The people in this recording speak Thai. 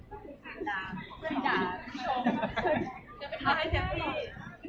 เวลาแรกพี่เห็นแวว